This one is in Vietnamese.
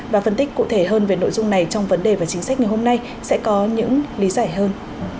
và phân tích cụ thể hơn về nội dung này trong vấn đề và chính sách ngày hôm nay sẽ có những lý giải hơn